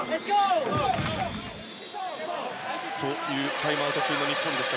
タイムアウト中の日本でした。